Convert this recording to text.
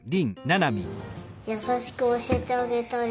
やさしくおしえてあげたり。